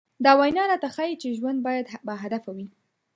دا وينا راته ښيي چې ژوند بايد باهدفه وي.